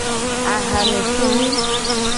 Ahanutuvi.